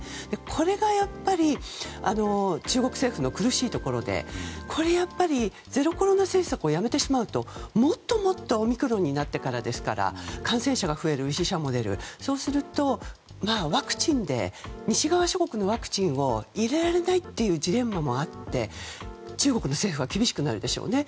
これが中国政府の苦しいところでこれやっぱりゼロコロナ政策をやめてしまうともっともっとオミクロンになってからですから感染者が増える、死者も出るそうするとワクチンで西側諸国のワクチンを入れられないというジレンマもあって中国の政府は厳しくなるでしょうね。